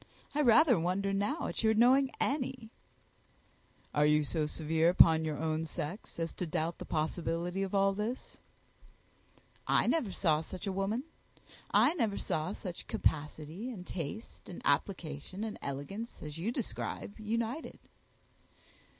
I rather wonder now at your knowing any." "Are you so severe upon your own sex as to doubt the possibility of all this?" "I never saw such a woman. I never saw such capacity, and taste, and application, and elegance, as you describe, united."